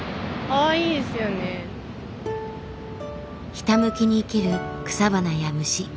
ひたむきに生きる草花や虫。